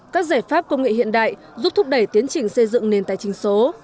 các giải pháp công nghệ hiện đại giúp thúc đẩy tiến trình xây dựng nền tài chính số